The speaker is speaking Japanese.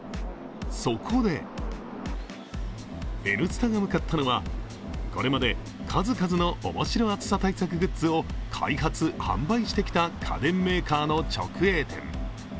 そこで「Ｎスタ」が向かったのは、これまで数々の面白暑さ対策グッズを開発、販売してきた家電メーカーの直営店。